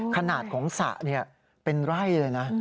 ขนาดของสระเป็นไร่เลยนะ